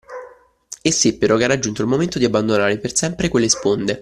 E seppero che era giunto il momento di abbandonare per sempre quelle sponde.